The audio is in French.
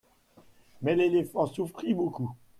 Mais l'éléphant souffrit beaucoup.